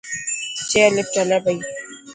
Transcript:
چيئرلفٽ هلي پئي